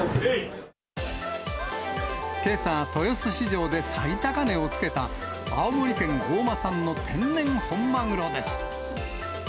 けさ、豊洲市場で最高値をつけた、青森県大間産の天然本マグロです。